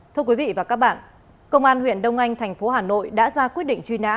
thưa quý vị và các bạn công an huyện đông anh thành phố hà nội đã ra quyết định truy nã